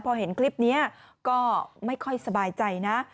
พอเห็นคลิปนี้ก็ไม่ค่อยสบายใจนะ